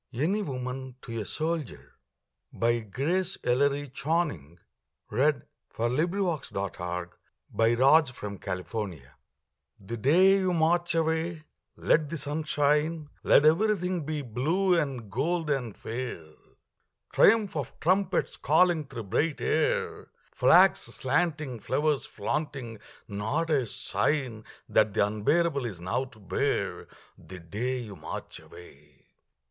ANY WOMAN TO A SOLDIER GRACE ELLERY CHANNING [Sidenote: 1917, 1918] The day you march away let the sun shine, Let everything be blue and gold and fair, Triumph of trumpets calling through bright air, Flags slanting, flowers flaunting not a sign That the unbearable is now to bear, The day you march away.